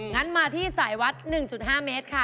งั้นมาที่สายวัด๑๕เมตรค่ะ